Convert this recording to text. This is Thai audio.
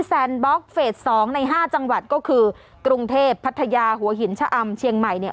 แซนบล็อกเฟส๒ใน๕จังหวัดก็คือกรุงเทพพัทยาหัวหินชะอำเชียงใหม่เนี่ย